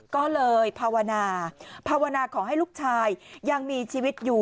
ก็เลยภาวนาภาวนาขอให้ลูกชายยังมีชีวิตอยู่